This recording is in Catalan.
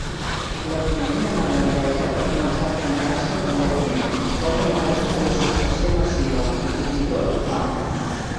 L'economia neerlandesa va començar a enfonsar-se immediatament: va tenir lloc una desocupació massiva i, fins i tot, fam.